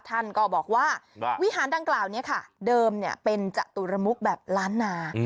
ท่านก็บอกว่าวิหารดังกล่าวนี้ค่ะเดิมเป็นจตุรมุกแบบล้านนา